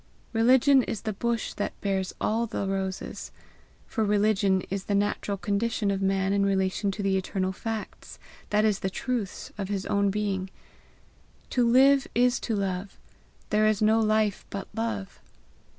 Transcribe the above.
Religion is the bush that bears all the roses; for religion is the natural condition of man in relation to the eternal facts, that is the truths, of his own being. To live is to love; there is no life but love.